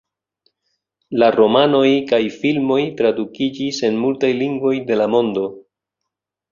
La romanoj kaj filmoj tradukiĝis en multaj lingvoj de la mondo.